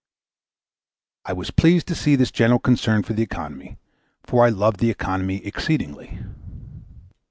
I was pleased to see this general concern for economy, for I love economy exceedingly.